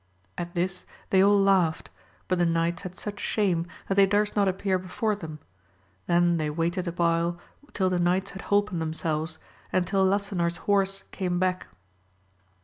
At this they all laughed, but the knights had such shame that they durst not appear before them; then they waited awhile till the knights had holpen themselves, and till Lasanor's horse came back.